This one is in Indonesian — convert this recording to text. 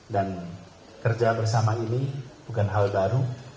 dan kerja bersama ini bukan hal baru